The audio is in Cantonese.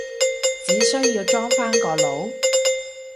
只需要裝返個腦？